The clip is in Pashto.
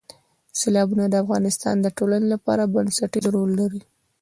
سیلابونه د افغانستان د ټولنې لپاره بنسټيز رول لري.